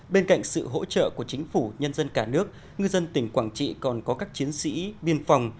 bên cạnh sự hỗ trợ của chính phủ nhân dân cả nước ngư dân tỉnh quảng trị còn có các chiến sĩ biên phòng